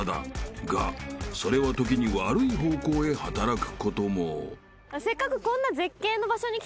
［がそれは時に悪い方向へ働くことも］